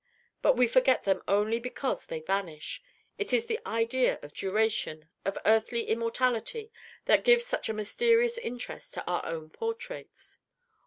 But we forget them only because they vanish. It is the idea of duration of earthly immortality that gives such a mysterious interest to our own portraits.